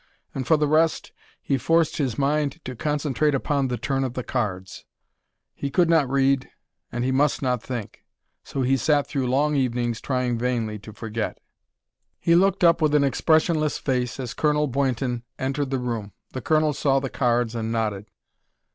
And for the rest, he forced his mind to concentrate upon the turn of the cards. He could not read and he must not think! so he sat through long evenings trying vainly to forget. He looked up with an expressionless face as Colonel Boynton entered the room. The colonel saw the cards and nodded.